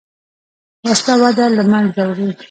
وسله وده له منځه وړي